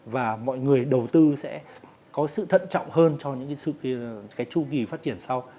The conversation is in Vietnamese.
và mọi người đầu tư sẽ có sự thận trọng hơn cho những cái chu kỳ phát triển sau